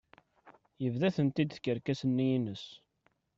Yebda-tent-id tkerkas-nni ines.